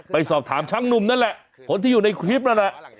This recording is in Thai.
ไปสอบถามช่างหนุ่มนั่นแหละคนที่อยู่ในคลิปนั่นแหละ